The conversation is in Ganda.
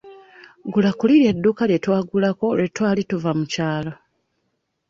Gula ku liri edduuka lye twagulako lwe twali tuva mu kyalo.